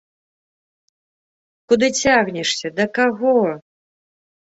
Куды цягнешся, да каго?